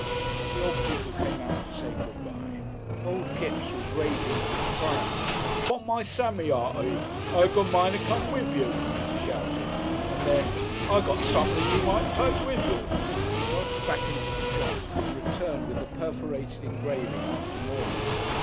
The old people came out to say good bye. Old Kipps was radiant with triumph. "'Pon my Sammy, Artie! I'm a goo' mind to come with you," he shouted, and then, "I got something you might take with you!" He dodged back into the shop and returned with the perforated engraving after Morland.